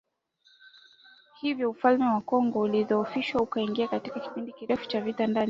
Hivyo Ufalme wa Kongo ulidhoofishwa ukaingia katika kipindi kirefu cha vita vya ndani